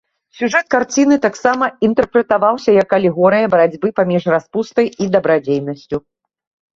Сюжэт карціны таксама інтэрпрэтаваўся, як алегорыя барацьбы паміж распустай і дабрадзейнасцю.